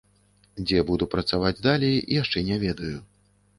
Дзе буду працаваць далей яшчэ не ведаю.